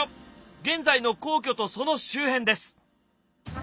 現在の皇居とその周辺です。